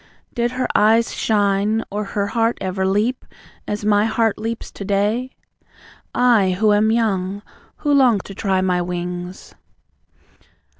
Did her eyes shine, or her heart ever leap As my heart leaps to day? I, who am young; who long to try my wings!